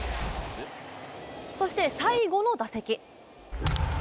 そして、最後の打席。